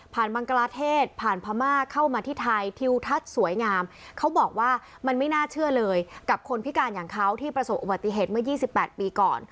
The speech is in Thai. มังกลาเทศผ่านพม่าเข้ามาที่ไทยทิวทัศน์สวยงามเขาบอกว่ามันไม่น่าเชื่อเลยกับคนพิการอย่างเขาที่ประสบอุบัติเหตุเมื่อ๒๘ปีก่อน